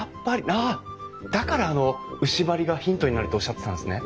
ああだからあの牛梁がヒントになるとおっしゃってたんですね。